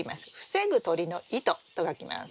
防ぐ鳥の糸と書きます。